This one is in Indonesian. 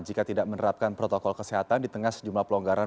jika tidak menerapkan protokol kesehatan di tengah sejumlah pelonggaran